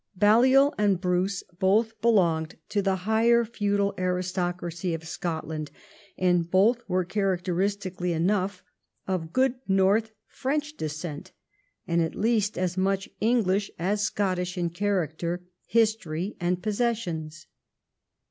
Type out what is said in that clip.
Balliol and Bruce both belonged to the higher feudal aristocracy of Scotland, and both were, characteristically enough, of good north French descent, and at least as much English as Scottish in character, history, and posses sions.